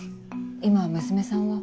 今娘さんは？